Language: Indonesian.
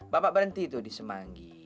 bapak berhenti tuh di semanggi